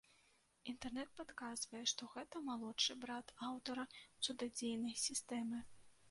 Інтэрнэт падказвае, што гэта малодшы брат аўтара цудадзейнай сістэмы.